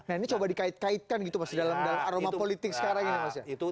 nah ini coba dikaitkan gitu mas dalam aroma politik sekarang ya mas ya